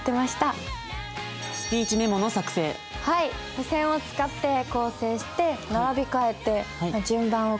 付箋を使って構成して並び替えて順番を考えてね。